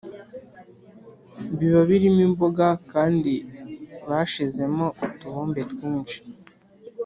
biba birimo imboga kandi bashizemo utubumbe twinshi